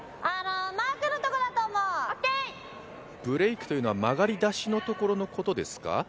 ブレークというのは曲がり出しのところのことですか？